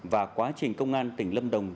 và quá trình công an tỉnh năm đồng